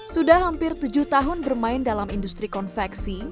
sudah hampir tujuh tahun bermain dalam industri konveksi